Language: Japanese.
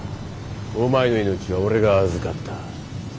お前の命は俺が預かった。